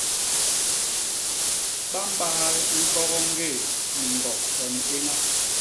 Ba mbahal ñkogo ñgé ni ñgok to ni éña.